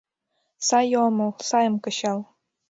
Сае омыл, сайым кычал